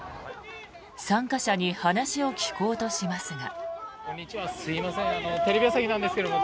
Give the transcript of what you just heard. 参加者に話を聞こうとしますが。